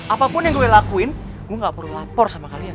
apapun yang gue lakuin gue gak perlu lapor sama kalian